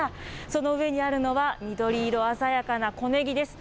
その上にあるのは、緑色鮮やかな小ネギです。